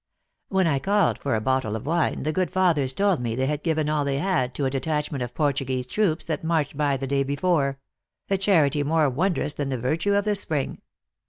" When I called for a bottle of wine, the good fathers told me they had given all they had to a de tachment of Portuguese troops that marched by the day before a charity more wondrous than the virtue of the spring."